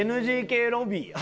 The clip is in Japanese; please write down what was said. ＮＧＫロビーや。